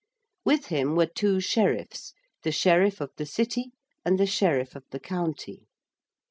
With him were two Sheriffs, the Sheriff of the City and the Sheriff of the County.